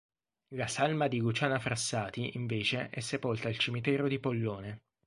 La salma di Luciana Frassati invece, è sepolta al cimitero di Pollone.